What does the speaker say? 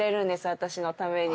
私のために。